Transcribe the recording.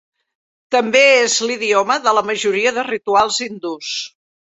També és l'idioma de la majoria de rituals hindús.